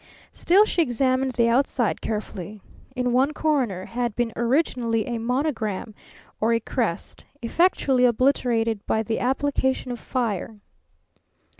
Still, she examined the outside carefully. In one corner had been originally a monogram or a crest; effectually obliterated by the application of fire.